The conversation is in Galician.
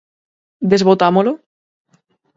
Desbotámolo?